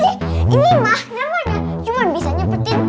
ini mah jamannya cuma bisa nyepetin jam satu doang